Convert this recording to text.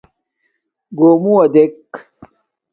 گݸمُݸ دݵک